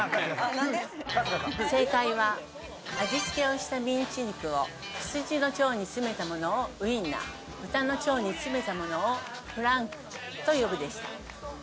正解は味付けをしたミンチ肉を羊の腸に詰めたものをウインナー、ブタの腸に詰めたものをフランクと呼ぶでした。